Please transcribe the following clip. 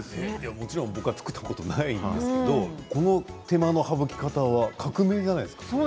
もちろん僕は作ったことないですけどこの手間の省き方は革命じゃないですか。